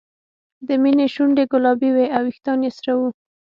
د مینې شونډې ګلابي وې او وېښتان یې سره وو